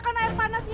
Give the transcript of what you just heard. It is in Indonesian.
kamu ini gimana sih